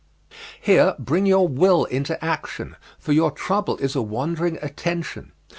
Here bring your will into action, for your trouble is a wandering attention.